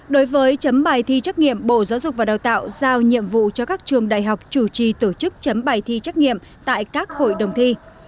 đối với chấm bài thi trắc nghiệm bộ giáo dục và đào tạo giao nhiệm vụ cho các trường đại học chủ trì tổ chức chấm bài thi trắc nghiệm tại các hội đồng thi